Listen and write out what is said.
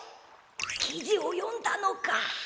きじをよんだのか？